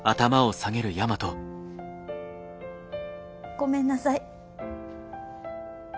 ごめんなさい。